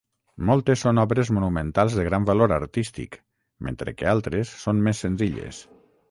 Moltes són obres monumentals de gran valor artístic, mentre que altres són més senzilles.